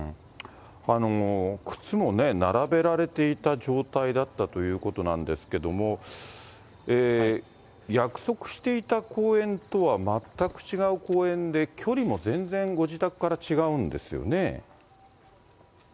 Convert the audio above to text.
靴も並べられていた状態だったということなんですけども、約束していた公園とは全く違う公園で、距離も全然ご自宅から違うんですよね。